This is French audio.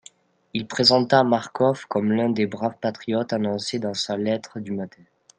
Il présenta Marcof comme l'un des braves patriotes annoncés dans sa lettre du matin.